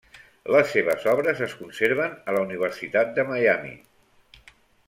Les seves obres es conserven a la Universitat de Miami.